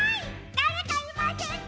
だれかいませんか！？